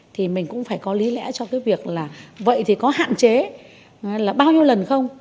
thì mình cũng phải có lý lẽ cho cái việc là vậy thì có hạn chế là bao nhiêu lần không